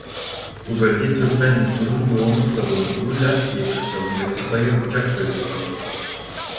Bu bölge Türkmen unsurun yoğunlukla bulunduğu Lazkiye kırsalındaki Bayırbucak bölgesiydi.